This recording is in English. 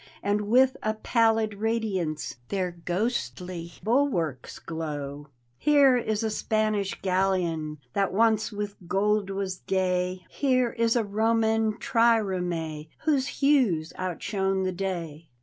And with a pallid radiance Their ghostly bulwarks glow. Here is a Spanish galleon That once with gold was gay, Here is a Roman trireme Whose hues outshone the day.